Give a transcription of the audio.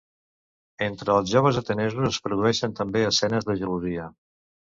Entre els joves atenesos es produeixen també escenes de gelosia.